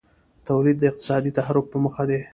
تولید د اقتصادي تحرک په موخه دی.